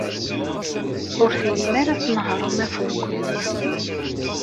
Ur tellim ara tnehhṛem afurgu-nni.